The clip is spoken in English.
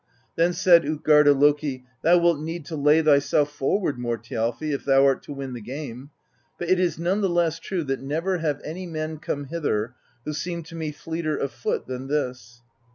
Then said Utgarda Loki : ^Thou wilt need to lay thyself forward more, Thjalfi, if thou art to win the game; but it is none the less true that never have any men come hither who seemed to me fleeter of foot than this.'